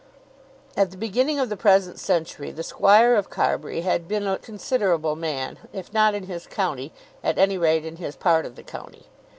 At the beginning of the present century the squire of Carbury had been a considerable man, if not in his county, at any rate in his part of the county.